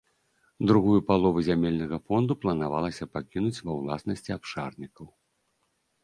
Другую палову зямельнага фонду планавалася пакінуць ва ўласнасці абшарнікаў.